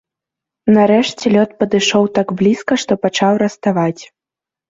Нарэшце лёд падышоў так блізка, што пачаў раставаць.